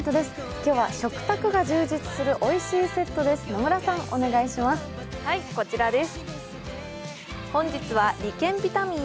今日は食卓が充実するおいしいセットです。